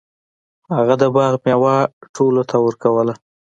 هغه د باغ میوه ټولو ته ورکوله.